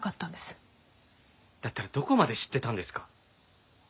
だったらどこまで知ってたんですか？